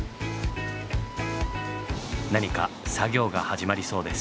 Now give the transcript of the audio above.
何か作業が始まりそうです。